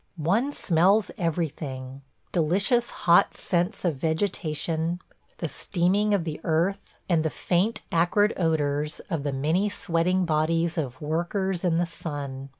One smells everything: ... delicious hot scents of vegetation, ... the steaming of the earth, ... and the faint acrid odors of the many sweating bodies of workers in the sun.